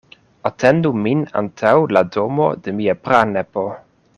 Atendu min antaŭ la domo de mia pranepo.